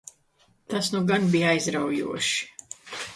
Tas nu gan bija aizraujoši!